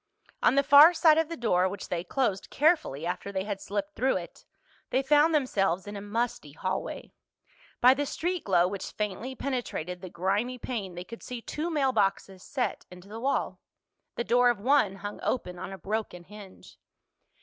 On the far side of the door, which they closed carefully after they had slipped through it, they found themselves in a musty hallway. By the street glow which faintly penetrated the grimy pane they could see two mailboxes set into the wall. The door of one hung open on a broken hinge.